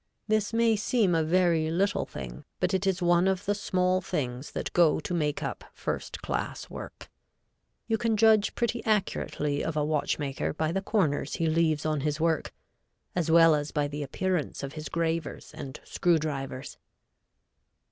This may seem a very little thing, but it is one of the small things that go to make up first class work. You can judge pretty accurately of a watchmaker by the corners he leaves on his work, as well as by the appearance of his gravers and screw drivers.